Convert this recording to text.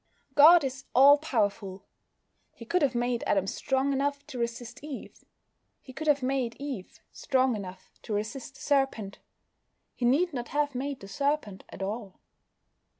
God is all powerful. He could have made Adam strong enough to resist Eve. He could have made Eve strong enough to resist the Serpent. He need not have made the Serpent at all.